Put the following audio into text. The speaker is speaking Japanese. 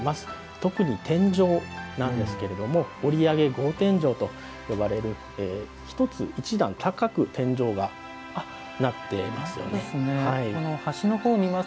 特に天井なんですけれども折上格天井と呼ばれる１段高く天井がなっています。